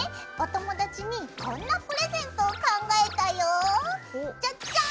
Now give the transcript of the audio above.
お友達にこんなプレゼントを考えたよ！